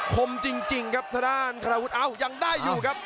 คมจริงครับทางด้านธนาวุฒิอ้าวยังได้อยู่ครับ